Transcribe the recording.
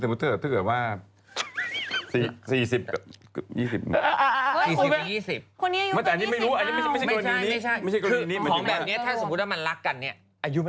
เราต้องไปหาผู้ชายอายุเยอะก็ต้องจะเยอะมากเลยนะคะคุณแม่